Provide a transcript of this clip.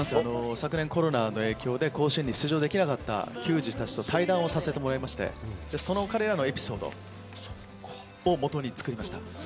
昨年、コロナの影響で甲子園に出られなかった球児たちと対談をさせてもらって、彼らのエピソードをもとに作りました。